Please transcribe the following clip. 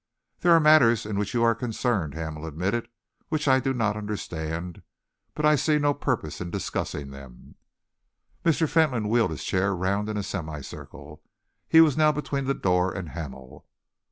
"There are matters in which you are concerned," Hamel admitted, "which I do not understand, but I see no purpose in discussing them." Mr. Fentolin wheeled his chair round in a semicircle. He was now between the door and Hamel.